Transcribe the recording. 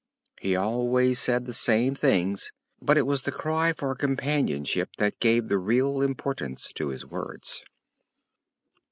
He always said the same things, but it was the cry for companionship that gave the real importance to his words.